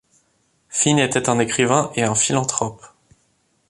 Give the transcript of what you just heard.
Finn était un écrivain et un philanthrope.